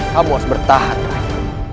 kamu harus bertahan rai